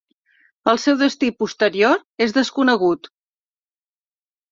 El seu destí posterior és desconegut.